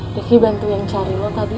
rifqi bantu yang cari lo tadi